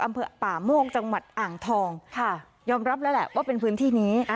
อำเภอป่าโมกจังหวัดอ่างทองค่ะยอมรับแล้วแหละว่าเป็นพื้นที่นี้